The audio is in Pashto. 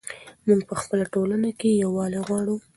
موږ په خپله ټولنه کې یووالی غواړو.